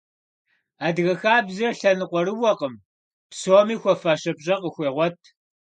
Адыгэ хабзэр лъэныкъуэрыуэкъым, псоми хуэфащэ пщӀэ къыхуегъуэт.